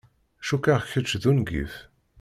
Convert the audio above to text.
Cukkeɣ kečč d ungif.